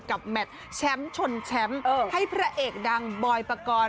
แมทแชมป์ชนแชมป์ให้พระเอกดังบอยปกรณ์